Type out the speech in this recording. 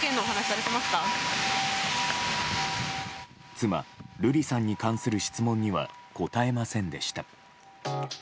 妻・瑠麗さんに関する質問には答えませんでした。